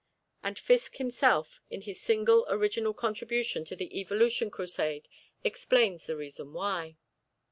And Fiske himself in his single original contribution to the evolution crusade explains the reason why.